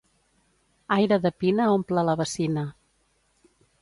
Aire de Pina omple la bacina.